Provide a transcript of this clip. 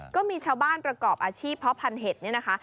ก็มีชาวบ้านประกอบอาชีพเพาะพันธเห็ดนี่นะคะ